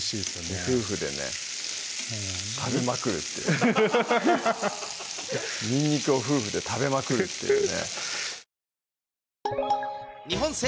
夫婦でね食べまくるっていうにんにくを夫婦で食べまくるっていうね